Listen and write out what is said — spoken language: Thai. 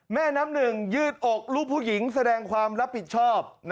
แม่น้ำหนึ่งยืดอกลูกผู้หญิงแสดงความรับผิดชอบ